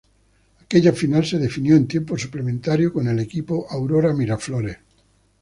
Aquella final se definió en tiempo suplementario con el equipo Aurora Miraflores.